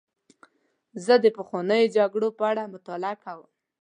زه د پخوانیو جګړو په اړه مطالعه کوم.